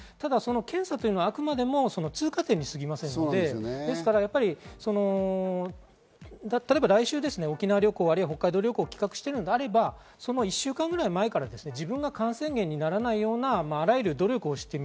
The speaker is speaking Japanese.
今朝はあくまでも通過点に過ぎませんので、例えば来週、沖縄旅行、北海道旅行を企画しているのであれば、１週間ぐらい前から自分が感染源にならないような、あらゆる努力をする。